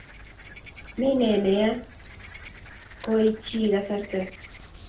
mii nee ni yak kogoi chii kasarta